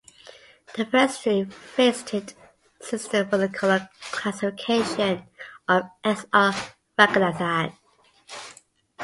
The first true faceted system was the Colon classification of S. R. Ranganathan.